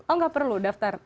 oh nggak perlu daftar